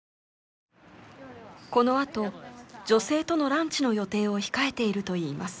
このあと女性とのランチの予定を控えているといいます。